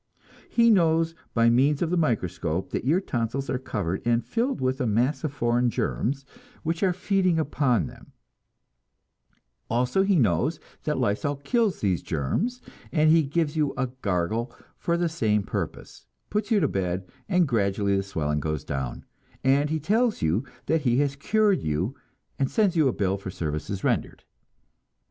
He knows by means of the microscope that your tonsils are covered and filled with a mass of foreign germs which are feeding upon them; also he knows that lysol kills these germs, and he gives you a gargle for the same purpose, puts you to bed, and gradually the swelling goes down, and he tells you that he has cured you, and sends you a bill for services rendered.